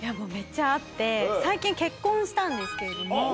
めっちゃあって最近結婚したんですけれども。